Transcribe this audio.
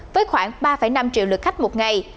với khoảng ba năm triệu lượt khách một ngày